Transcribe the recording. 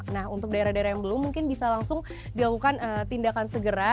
nah untuk daerah daerah yang belum mungkin bisa langsung dilakukan tindakan segera